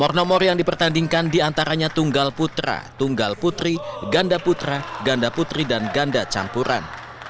nomor nomor yang dipertandingkan diantaranya tunggal putra tunggal putri ganda putra ganda putri dan ganda campuran